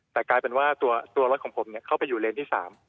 แต่กลายเป็นว่าตัวรถของผมเข้าไปอยู่เลนที่๓